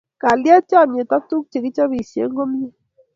Kalyet, chamiet ak tukuk che kichopisie komie